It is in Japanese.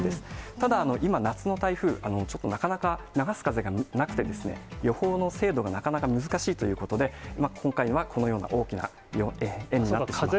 ただ今、夏の台風、ちょっと、なかなか流す風がなくて、予報の精度がなかなか難しいということで、今回は、このような大きな円になってしまったと。